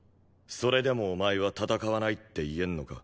それでもお前は戦わないって言えんのか？